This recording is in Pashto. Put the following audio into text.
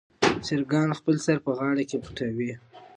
چرګان خپل سر په غاړه کې پټوي.